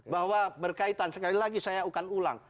bahwa berkaitan sekali lagi saya akan ulang